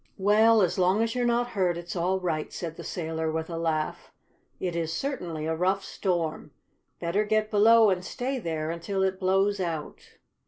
"Well, as long as you're not hurt it's all right," said the sailor with a laugh. "It is certainly a rough storm. Better get below and stay there until it blows out."